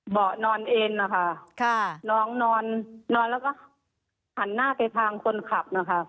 เบาะนอนเอ็นนะคะน้องนอนนอนแล้วก็หันหน้าไปทางคนขับนะคะ